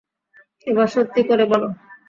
এবার সত্যি করে বলো।